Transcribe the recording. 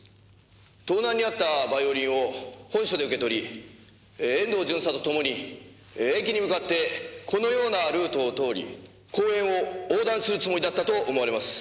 盗難にあったバイオリンを本署で受け取り遠藤巡査とともに駅に向かってこのようなルートを通り公園を横断するつもりだったと思われます。